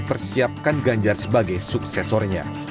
persiapkan ganjar sebagai suksesornya